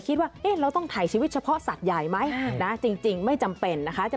คิดว่าเราต้องถ่ายชีวิตเฉพาะสัตว์ใหญ่ไหมนะจริงไม่จำเป็นนะคะ